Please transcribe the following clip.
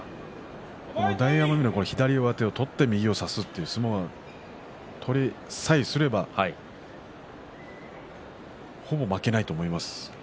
大奄美の左上手を取って右を差すという相撲が取れさえすればほぼ負けないと思います。